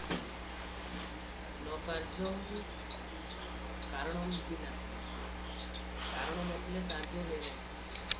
'ନ କାର୍ଯ୍ୟଂ କାରଣଂ ବିନା' କାରଣ ନ ଥିଲେ କାର୍ଯ୍ୟ ହୁଏ ନାହିଁ ।